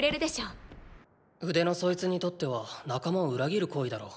腕のそいつにとっては仲間を裏切る行為だろう？